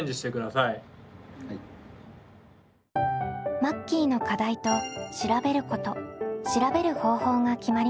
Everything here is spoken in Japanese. マッキーの課題と調べること調べる方法が決まりました。